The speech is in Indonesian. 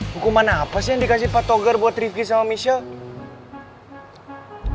hukuman apa sih yang dikasih pak togar buat rifki sama michelle